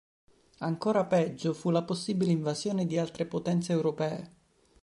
Ancora peggio fu la possibile invasione di altre potenze europee.